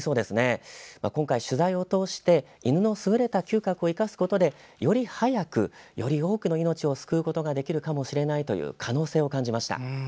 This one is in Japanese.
今回、取材を通して犬の優れた嗅覚を生かすことでより早く、より多くの命を救うことができるかもしれないという可能性を感じました。